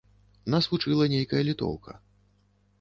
Нас вучыла нейкая літоўка.